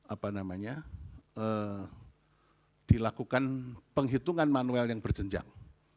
apa namanya dilakukan penghitungan manual yang berjenjang